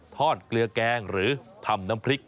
เกลือแกงหรือทำน้ำพริก